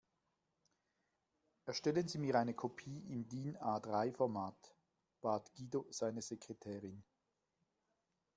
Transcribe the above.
Erstellen Sie mir eine Kopie im DIN-A-drei Format, bat Guido seine Sekretärin.